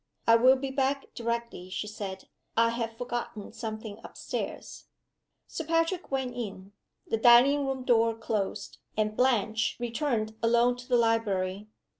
"I will be back directly," she said. "I have forgotten something up stairs." Sir Patrick went in. The dining room door closed; and Blanche returned alone to the library.